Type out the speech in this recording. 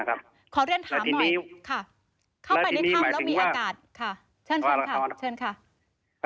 ขอเรื่องถามหน่อยในทำแล้วมีอากาศค่ะเชิญค่ะ